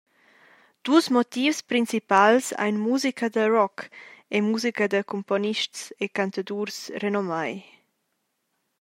Dus motivs principals ein musica da rock e musica da cumponists e cantadurs renomai.